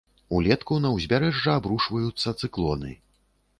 Улетку на ўзбярэжжа абрушваюцца цыклоны.